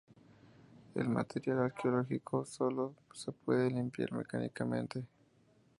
El material arqueológico sólo se puede limpiar mecánicamente.